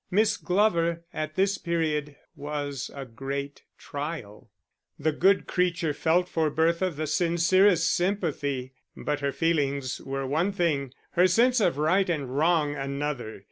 Miss Glover, at this period, was a great trial; the good creature felt for Bertha the sincerest sympathy, but her feelings were one thing, her sense of right and wrong another.